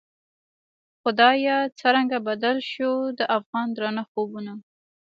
خدایه څرنګه بدل شوو، د افغان درانه خوبونه